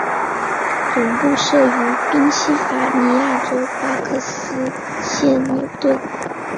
总部设于宾西法尼亚州巴克斯县纽顿。